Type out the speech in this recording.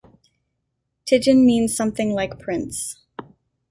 Tigin means something like prince.